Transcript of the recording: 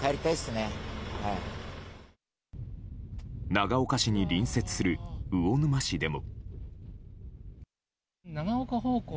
長岡市に隣接する魚沼市でも。